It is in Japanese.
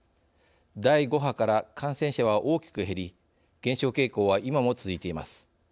第５波から感染者は大きく減り減少傾向は、今も続いています。